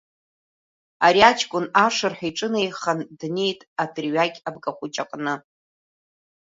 Ари аҷкәын ашырҳәа иҿынеихан днеит аҭырҩагь абгахәҷы аҟны.